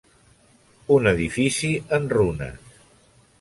Un edifici en runes.